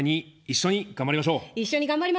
一緒に頑張りましょう。